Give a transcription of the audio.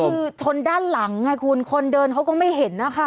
คือชนด้านหลังไงคุณคนเดินเขาก็ไม่เห็นนะคะ